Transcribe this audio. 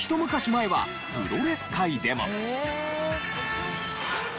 前はプロレス界でも。